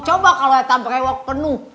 coba kalau tanda berewak penuh